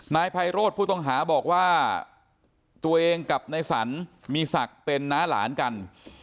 นายไพโรธผู้ต้องหาบอกว่าตัวเองกับนายสันมีศักดิ์เป็นน้าหลานกัน